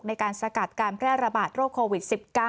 ในการสกัดการแพร่ระบาดโรคโควิด๑๙